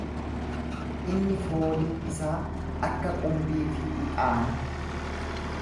inni fooliin isaa akka qumbii fi ixaana,